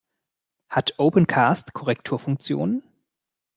Hat Opencast Korrekturfunktionen?